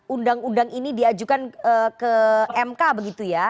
undang undang ini diajukan ke mk begitu ya